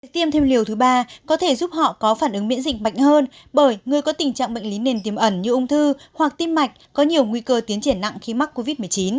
tiêm thêm liều thứ ba có thể giúp họ có phản ứng miễn dịch mạnh hơn bởi người có tình trạng bệnh lý nền tiềm ẩn như ung thư hoặc tim mạch có nhiều nguy cơ tiến triển nặng khi mắc covid một mươi chín